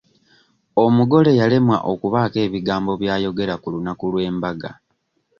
Omugole yalemwa okubaako ebigambo by'ayogera ku lunaku lw'embaga.